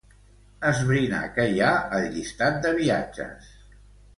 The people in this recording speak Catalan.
Esbrinar què hi ha al llistat de viatges.